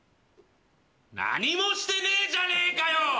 何もしてねえじゃねぇかよ！